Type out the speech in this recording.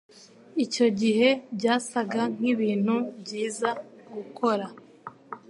Icyo gihe, byasaga nkibintu byiza gukora.